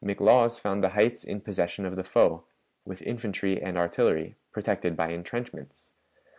But McLaws found the heights in possession of the foe, with infantry and artillery, protected by intrenchments.